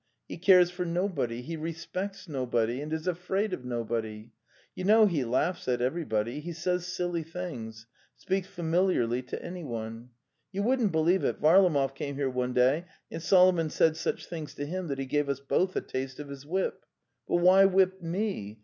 He cares for nobody, he respects nobody, and is afraid of nobody. ... You know he laughs at everybody, he says silly things, speaks familiarly to anyone. You wouldn't believe it, Varlamov came here one day and Solomon said such things to him that he gave us both a taste of his whip. ... But why whip me?